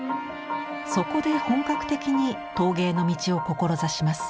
そこで本格的に陶芸の道を志します。